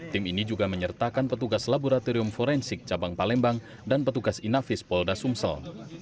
tim ini juga menyertakan petugas laboratorium forensik cabang palembang dan petugas inafis polda sumsel